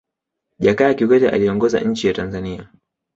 jakaya kikwete aliongoza nchi ya tanzania